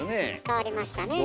変わりましたね。